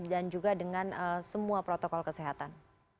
dan juga dengan semua protokol kesehatan